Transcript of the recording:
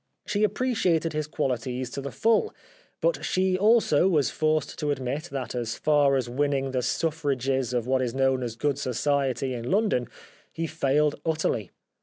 She appreciated his qualities to the full, but she also was forced to admit that as far as winning the suffrages of what is known as good society in London he failed utterly.